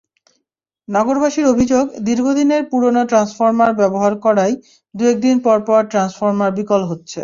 নগরবাসীর অভিযোগ, দীর্ঘদিনের পুরোনো ট্রান্সফরমার ব্যবহার করায় দুই-এক দিন পরপর ট্রান্সফরমার বিকল হচ্ছে।